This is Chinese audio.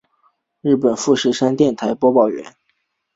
日本富士电视台播报员。